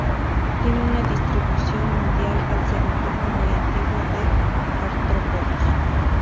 Tienen una distribución mundial, al ser un grupo muy antiguo de artrópodos.